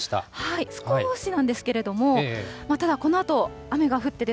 少しなんですけれども、ただ、このあと雨が降って、